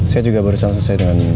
saya juga barusan selesai dengan